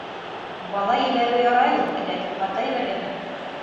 Бала ебәреү ярай ул. Ләкин хата ебәргәнһең.